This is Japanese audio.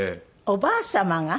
おばあ様が。